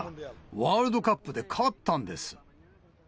ワールドカップで勝ったんです。